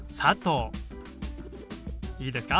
いいですか？